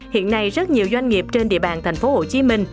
hiện nay rất nhiều doanh nghiệp trên địa bàn thành phố hồ chí minh